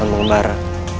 lima tahun mengembara